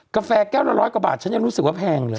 กาแฟแก้วละร้อยกว่าบาทฉันยังรู้สึกว่าแพงเลย